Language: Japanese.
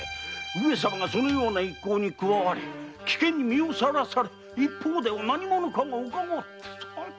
上様がそのような一行に加わり危険にさらされ一方では何者かがおカゴを。